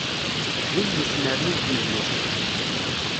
Win n usnerni n tmedyezt.